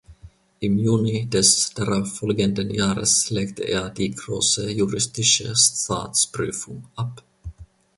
Im Juni des darauffolgenden Jahres legte er die große juristische Staatsprüfung ab.